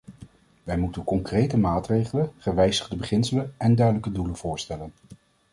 Wij moeten concrete maatregelen, gewijzigde beginselen en duidelijke doelen voorstellen.